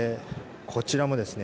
こちらもですね。